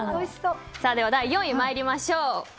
第４位に参りましょう。